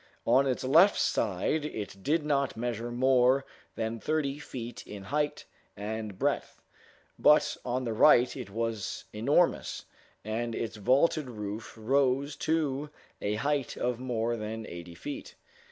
On its left side it did not measure more than thirty feet in height and breadth, but on the right it was enormous, and its vaulted roof rose to a height of more than eighty feet.